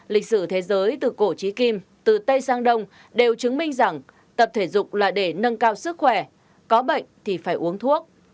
lịch sử thế giới từ cổ trí kim từ tây sang đông đều chứng minh rằng tập thể dục là để nâng cao sức khỏe có bệnh thì phải uống thuốc